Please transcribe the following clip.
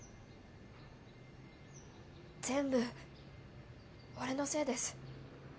全部俺のせいです。